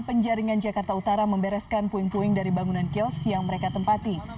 penjaringan jakarta utara membereskan puing puing dari bangunan kios yang mereka tempati